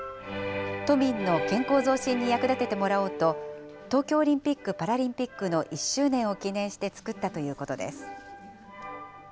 都民の健康増進に役立ててもらおうと、東京オリンピック・パラリンピックの１周年を記念して作ったということです。